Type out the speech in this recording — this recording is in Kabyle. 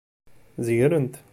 Zegren-t.